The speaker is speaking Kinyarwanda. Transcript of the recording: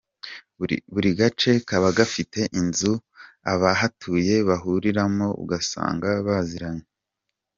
Buri gace kaba gafite inzu abahatuye bahuriramo, ugasanga baziranye.